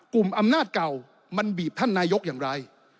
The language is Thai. กลุ่มอำนาจเก่ามันบีบท่านนายกอย่างไร